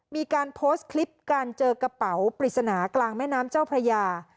มีการโพสต์คลิปการเจอกระเป๋าปริศนากลางแม่น้ำเจ้าพระยา